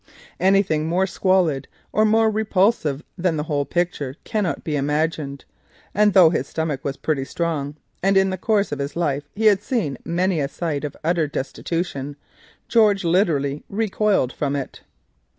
Anything more squalid or repulsive than the whole picture cannot be imagined, and though his nerves were pretty strong, and in the course of his life he had seen many a sight of utter destitution, George literally recoiled from it.